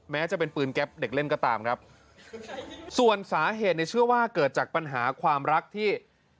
แม้จะเป็นปืนแก๊ปเด็กเล่นก็ตามครับส่วนสาเหตุเนี่ยเชื่อว่าเกิดจากปัญหาความรักที่